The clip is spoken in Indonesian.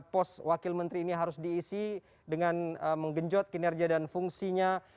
pos wakil menteri ini harus diisi dengan menggenjot kinerja dan fungsinya